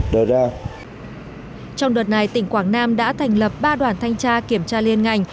trong đợt này tỉnh quảng nam đã thành lập ba đoàn thanh tra kiểm tra liên ngành